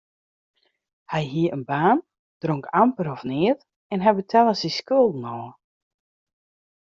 Hy hie in baan, dronk amper of neat en hy betelle syn skulden ôf.